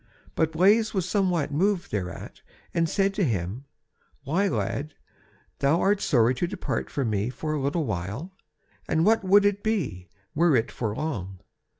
But Blaise was somewhat moved thereat, and said to him: "Why lad, thou art sorry to depart from me for a little while, and what would it be, were it for long?